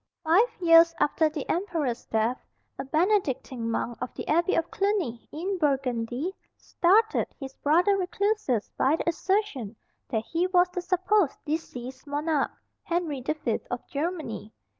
Five years after the Emperor's death, a Benedictine monk of the Abbey of Cluny, in Burgundy, startled his brother recluses by the assertion that he was the supposed deceased monarch, Henry the Fifth of Germany.